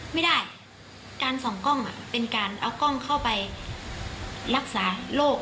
ไม่ได้การส่องกล้องเป็นการเอากล้องเข้าไปรักษาโรค